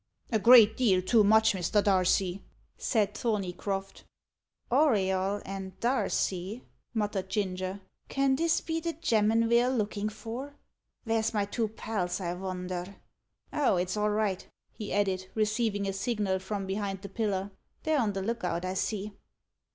"A great deal too much, Mr. Darcy," said Thorneycroft. "Auriol and Darcy!" muttered Ginger. "Can this be the gemman ve're a lookin' for. Vere's my two pals, I vonder? Oh, it's all right!" he added, receiving a signal from behind the pillar. "They're on the look out, I see."